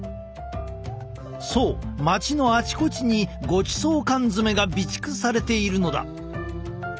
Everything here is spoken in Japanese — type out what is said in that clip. そう町のあちこちにごちそう缶詰が備蓄されているのだ。